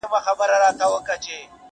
خو زما په عقیده -